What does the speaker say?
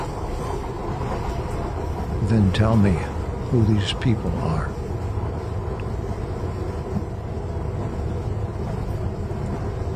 Then tell me who these people are.